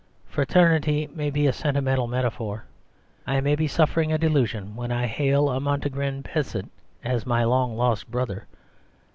Fra ternity may be a sentimental metaphor ; I may be suffering a delusion when I hail a Monte negrin peasant as my long lost brother.